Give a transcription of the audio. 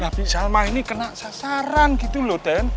nah bisalma ini kena sasaran gitu loh den